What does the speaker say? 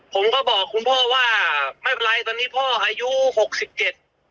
ผมก็บอกคุณพ่อว่าไม่เป็นไรตอนนี้พ่ออายุหกสิบเจ็ด